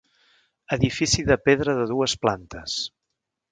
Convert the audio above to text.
Edifici de pedra de dues plantes.